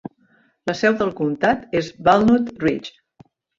La seu del comtat és Walnut Ridge.